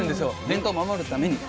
伝統を守るために。